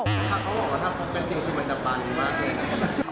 ถ้าเขาบอกว่าถ้าพวกเธอเป็นจริงที่มันจะบันมากเลยนะ